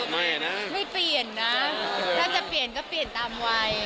ไม่นะไม่เปลี่ยนนะถ้าจะเปลี่ยนก็เปลี่ยนตามวัย